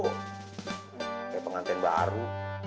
kayak pengantin baru